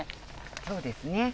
そうですね。